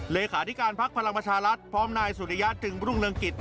เหลศาสตร์ภักดิ์พลังประชารัฐพร้อมนายสุริยะถึงบรุงเริงกิจ